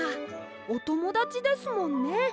おともだちですもんね。